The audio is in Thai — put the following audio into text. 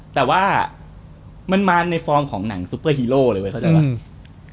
แต่ว่ามันมาในฟอร์มของหนังซุปเปอร์ฮีโร่เลยเว้ยเข้าใจป่ะ